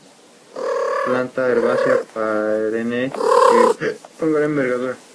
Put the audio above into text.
Por otro lado, la esclavitud se muestra en todo su rigor.